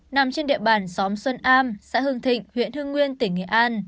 nằm trên địa bàn xóm xuân am xã hương thịnh huyện hưng nguyên tỉnh nghệ an